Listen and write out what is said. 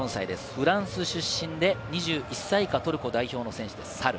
フランス出身で２１歳以下、トルコ代表の選手です、サル。